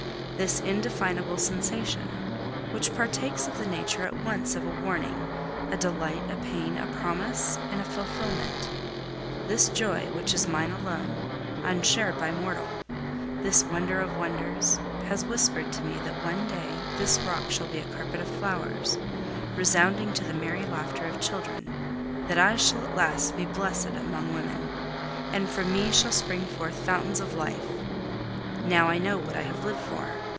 This indefinable sensation, which partakes of the nature at once of a warning, a delight, a pain, a promise, and a fulfilment; this joy, which is mine alone, unshared by mortal, this wonder of wonders, has whispered to me that one day this rock shall be a carpet of flowers, resounding to the merry laughter of children, that I shall at last be blessed among women, and from me shall spring forth fountains of life. Now I know what I have lived for!